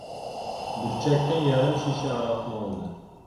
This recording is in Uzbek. Burchakdan yarim shisha aroqni oldi.